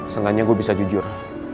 setidaknya gue bisa jujur